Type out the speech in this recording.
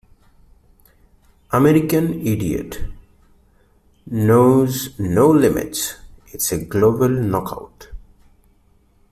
"American Idiot" knows no limits - it's a global knockout.